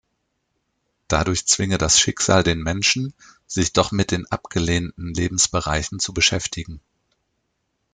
Dadurch zwinge das Schicksal den Menschen, sich doch mit den abgelehnten Lebensbereichen zu beschäftigen.